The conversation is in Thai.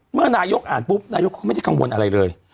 เมื่อนายกอ่านปุ๊บนายกเขาไม่ได้กังวลอะไรเลย